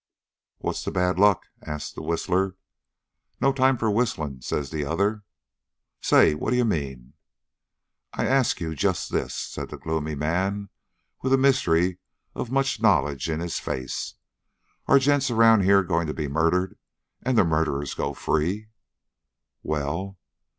"What's the bad luck?" asks the whistler. "No time for whistling," says the other. "Say, what you mean?" "I ask you just this," said the gloomy man, with a mystery of much knowledge in his face: "Are gents around here going to be murdered, and the murderers go free?" "Well?"